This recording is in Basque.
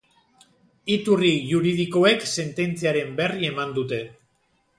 Iturri juridikoek sententziaren berri eman dute.